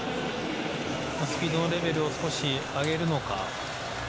スピードのレベルを少し上げるのか。